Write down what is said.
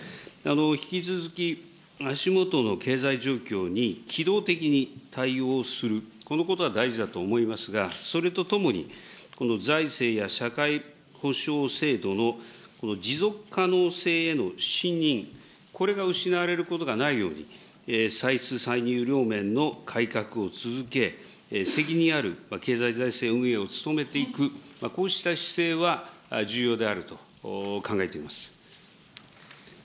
引き続き足下の経済状況に機動的に対応する、このことは大事だと思いますが、それとともに、この財政や社会保障制度の持続可能性への信認、これが失われることがないように、歳出歳入両面の改革を続け、責任ある経済財政運営を努めていく、こうした姿勢は重要であると考えています。